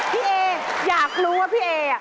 พี่เออยากรู้ว่าพี่เอ